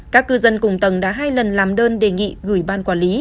các cư dân cùng tầng đã hai lần làm đơn đề nghị gửi ban quản lý